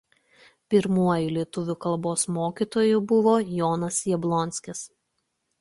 Pirmuoju lietuvių kalbos mokytoju buvo Jonas Jablonskis.